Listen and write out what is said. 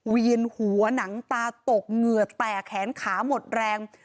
เวียนหัวหนังตาตกเหงื่อแตกแขนขาหมดแรง